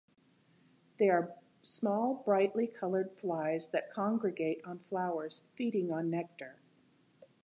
They are small, brightly coloured flies that congregate on flowers, feeding on nectar.